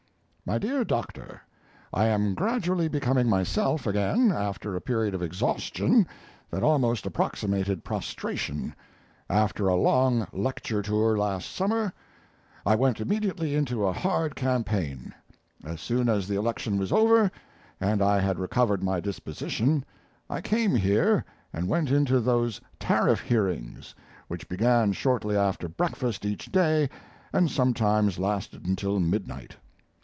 MY DEAR DOCTOR, I am gradually becoming myself again, after a period of exhaustion that almost approximated prostration. After a long lecture tour last summer I went immediately into a hard campaign; as soon as the election was over, and I had recovered my disposition, I came here and went into those tariff hearings, which began shortly after breakfast each day, and sometimes lasted until midnight.